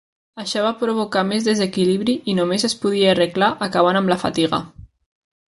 Això va provocar més desequilibri i només es podia arreglar acabant amb la fatiga.